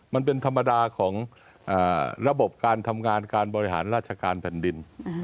มันเป็นธรรมดาของระบบการทำงานการบริหารราชการแผ่นดิน